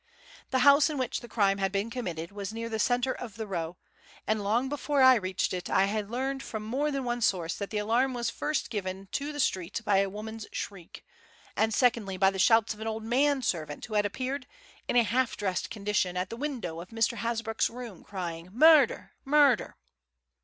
The house in which the crime had been committed was near the centre of the row, and, long before I reached it, I had learned from more than one source that the alarm was first given to the street by a woman's shriek, and secondly by the shouts of an old man servant who had appeared, in a half dressed condition, at the window of Mr. Hasbrouck's room, crying "Murder! murder!"